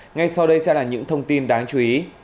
ngay sau đây sẽ là những thông tin đáng chú ý